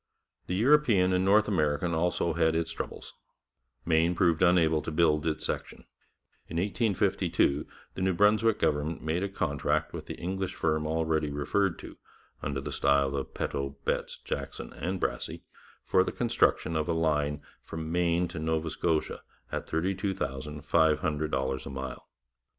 The European and North American also had its troubles. Maine proved unable to build its section. In 1852 the New Brunswick government made a contract with the English firm already referred to, under the style of Peto, Betts, Jackson and Brassey, for the construction of a line from Maine to Nova Scotia, at $32,500 a mile.